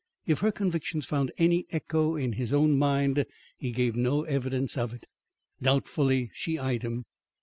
If her convictions found any echo in his own mind, he gave no evidence of it. Doubtfully she eyed him.